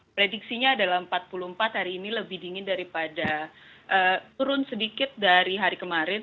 prediksinya adalah empat puluh empat hari ini lebih dingin daripada turun sedikit dari hari kemarin